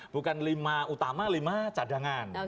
bukan lima utama lima cadangan